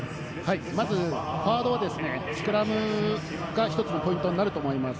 まずフォワードはスクラムが１つのポイントになると思います。